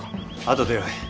後でよい。